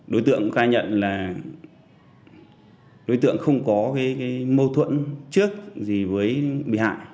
đối tượng khai nhận là đối tượng không có mâu thuẫn trước gì với bị hại